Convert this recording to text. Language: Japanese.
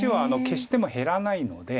消しても減らない。